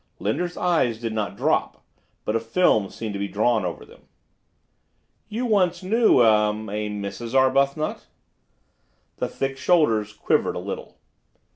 Linder's eyes did not drop, but a film seemed to be drawn over them. "You once knew—er—a Mrs. Arbuthnot?" The thick shoulders quivered a little.